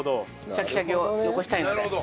シャキシャキを残したいので。